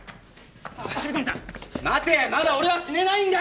渋谷さん待てよまだ俺は死ねないんだ！